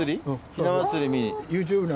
ひな祭り見に？